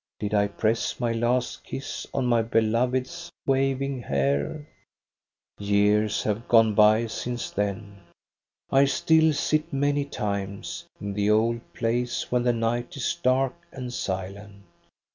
Did I press my last kiss on my beloved's waving hair ?Years have gone by since then. I still sit many times In the old place, when the night is dark and silent.